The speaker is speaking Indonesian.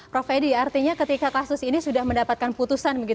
prof edi artinya ketika kasus ini sudah mendapatkan putusan